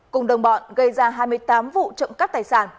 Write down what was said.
cùng đồng bọn gây ra hai mươi tám vụ trộm cắp tài sản